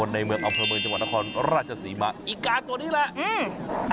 ุะต้มนในเมืองอลฟมือจังหวันทศรรัชสิมาอีกาตัวนี้แหละ